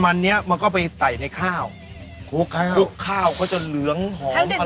มันเนี้ยมันก็ไปใส่ในข้าวคลุกข้าวคลุกข้าวก็จะเหลืองหอมอะไร